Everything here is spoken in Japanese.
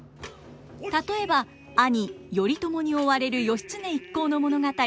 例えば兄頼朝に追われる義経一行の物語